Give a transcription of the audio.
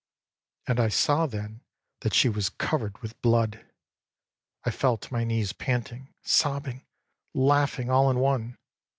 â âAnd I saw then that she was covered with blood. I fell to my knees panting, sobbing, laughing, all in one.